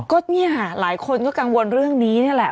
ก็เนี่ยค่ะหลายคนก็กังวลเรื่องนี้นี่แหละ